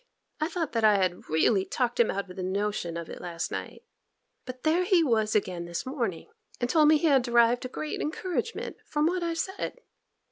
I thought that I had really talked him out of the notion of it last night; but there he was in again this morning; and told me he had derived great encouragement from what I said.